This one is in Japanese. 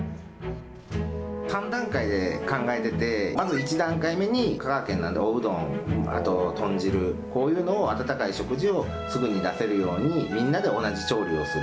３段階で考えてて、まず１段階目に、香川県ならおうどん、あとは豚汁、こういうのを、温かい食事をすぐに出せるように、みんなで同じ調理をする。